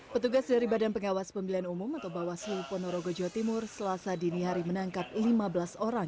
petugas dari badan pengawas pemilihan umum atau bawaslu ponorogo jawa timur selasa dini hari menangkap lima belas orang